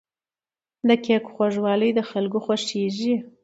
د کیک خوږوالی د خلکو خوښیږي.